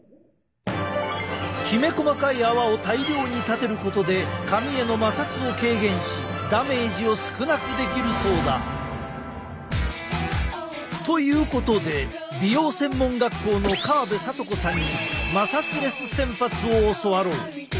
きめ細かい泡を大量に立てることで髪への摩擦を軽減しダメージを少なくできるそうだ！ということで美容専門学校の川邊賢子さんに摩擦レス洗髪を教わろう！